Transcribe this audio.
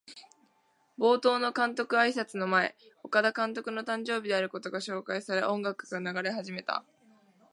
冒頭の監督あいさつの前、岡田監督の誕生日であることが紹介され、音楽が流れ始めた。